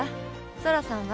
ソラさんは？